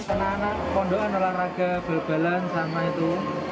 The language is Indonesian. anak anak konduan olahraga berbalan sama itu